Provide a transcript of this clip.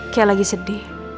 kayak lagi sedih